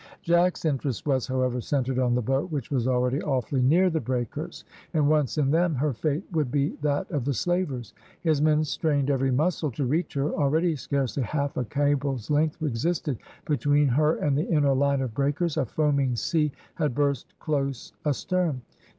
Jack's interest was, however, centred on the boat which was already awfully near the breakers, and once in them her fate would be that of the slavers. His men strained every muscle to reach her. Already scarcely half a cable's length existed between her and the inner line of breakers, a foaming sea had burst close astern.